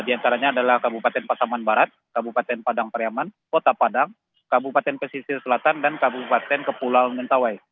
di antaranya adalah kabupaten pasaman barat kabupaten padang pariaman kota padang kabupaten pesisir selatan dan kabupaten kepulauan mentawai